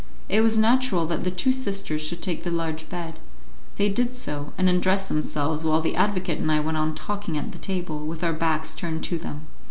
It was natural that the two sisters should take the large bed; they did so, and undressed themselves while the advocate and I went on talking at the table, with our backs turned to them.